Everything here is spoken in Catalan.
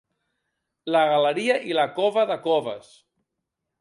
La galeria i la Cova de Coves.